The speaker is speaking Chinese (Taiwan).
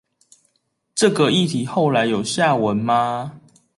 這個議題後來有下文嗎？